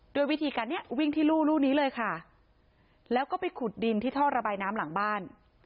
ด้วยวิธีการนี้วิ่งที่รูนี้เลยค่ะแล้วก็ไปขุดดินที่ท่อระบายน้ำหลังบ้าน